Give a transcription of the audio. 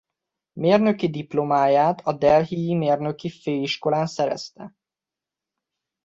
Mérnöki diplomáját a Delhi-i Mérnöki Főiskolán szerezte.